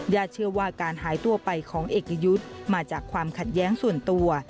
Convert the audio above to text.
เชื่อว่าการหายตัวไปของเอกยุทธ์มาจากความขัดแย้งส่วนตัว